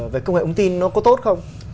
về công nghệ ống tin nó có tốt không